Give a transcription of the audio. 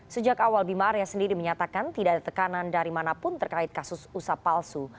sejak awal bima arya sendiri menyatakan tidak ada tekanan dari manapun terkait kasus usap palsu